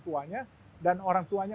tuanya dan orang tuanya